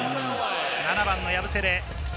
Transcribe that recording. ７番のヤブセレ。